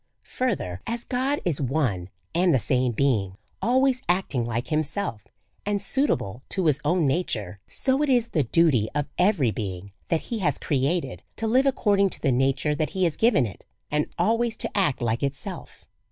Further, as God is one and the same being, always acting like himself, and suitably to his own nature, so e3 54 A SERIOUS CALL TO A it is the duty of every being that he has created to live according to the nature that he has given it^ and always to act like itself.